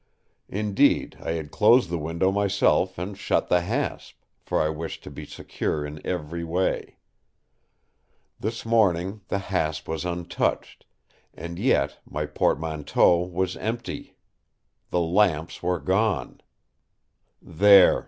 Indeed, I had closed the window myself and shut the hasp, for I wished to be secure in every way. This morning the hasp was untouched.... And yet my portmanteau was empty. The lamps were gone! ... There!